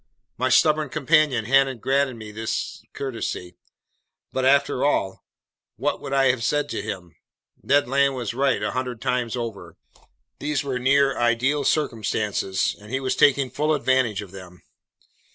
My stubborn companion hadn't granted me this courtesy. But after all, what would I have said to him? Ned Land was right a hundred times over. These were near ideal circumstances, and he was taking full advantage of them.